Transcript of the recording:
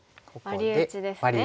ワリ打ちですね。